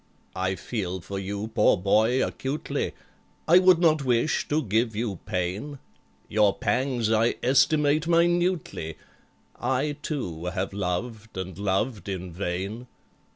"I feel for you, poor boy, acutely; I would not wish to give you pain; Your pangs I estimate minutely,— I, too, have loved, and loved in vain.